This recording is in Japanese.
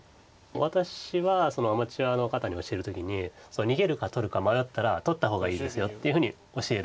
私はアマチュアの方に教える時に逃げるか取るか迷ったら取った方がいいですよっていうふうに教えるんです。